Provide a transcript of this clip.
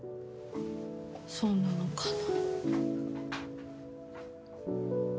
そうなのかな。